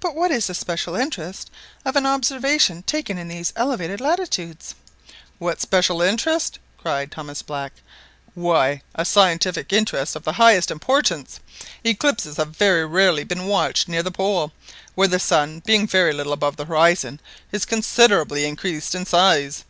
"But what is the special interest of an observation taken in these elevated latitudes?" "What special interest?" cried Thomas Black; why, a scientific interest of the highest importance. Eclipses have very rarely been watched near the Pole, where the sun, being very little above the horizon, is considerably increased in size.